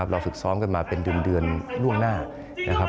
เราฝึกซ้อมกันมาเป็นเดือนร่วงหน้า